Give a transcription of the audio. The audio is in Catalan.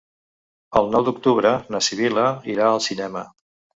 El nou d'octubre na Sibil·la irà al cinema.